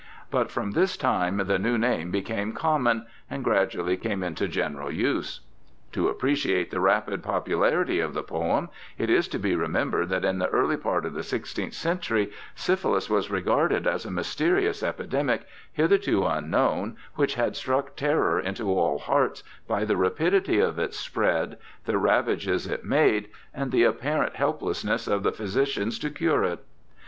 but from this time the new name became common, and gradually came into general use. To appreciate the rapid popularity of the poem, it is to be remembered that in the early part of the sixteenth century syphilis was regarded as a mysterious epidemic, hitherto unknown, which had struck terror into all hearts by the rapidity of its spread, the ravages it made, and the apparent helplessness of the physicians to cure it.